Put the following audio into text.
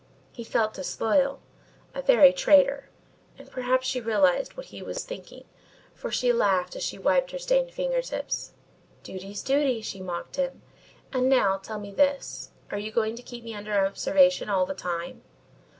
He felt disloyal a very traitor, and perhaps she realised what he was thinking, for she laughed as she wiped her stained finger tips. "Duty's duty," she mocked him, "and now tell me this are you going to keep me under observation all the time?"